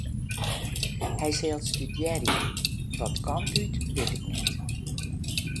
Hy sil studearje, wat kant út wit ik net.